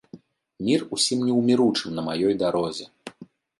Мір усім неўміручым на маёй дарозе!